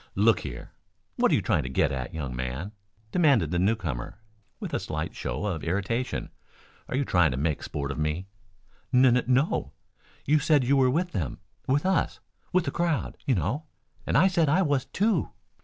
"Look here, what are you trying to get at, young man?" demanded the newcomer with a slight show of irritation. "Are you trying to make sport of me?" "N n no. You said you were with them with us with the crowd, you know. And I said I was too."